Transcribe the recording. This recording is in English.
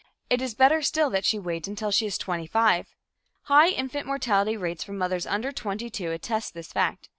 It is better still that she wait until she is twenty five. High infant mortality rates for mothers under twenty two attest this fact.